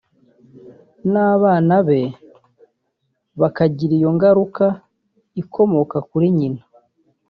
n’ abana be bakagira iyo ngaruka ikomoka kuri nyina